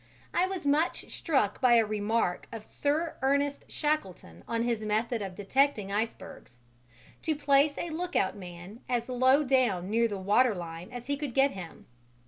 I was much struck by a remark of Sir Ernest Shackleton on his method of detecting icebergs to place a lookout man as low down near the water line as he could get him.